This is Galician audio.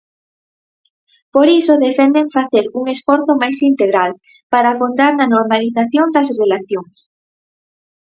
Por iso defenden facer un "esforzo máis integral" para "afondar na normalización" das relacións.